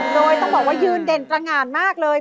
โดยต้องบอกว่ายืนเด่นตรงานมากเลย